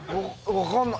分かんない。